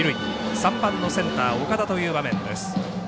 ３番センター、岡田という場面。